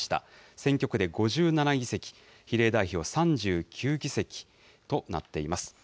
選挙区で５７議席、比例代表３９議席となっています。